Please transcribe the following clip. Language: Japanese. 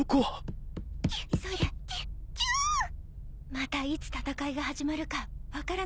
またいつ戦いが始まるか分からないから。